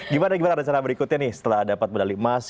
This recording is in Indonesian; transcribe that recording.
gimana gimana rencana berikutnya nih setelah dapat medali emas